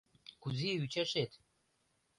Кузе ӱчашет?